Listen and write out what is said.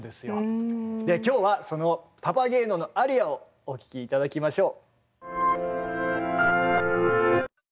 今日はそのパパゲーノのアリアをお聴き頂きましょう。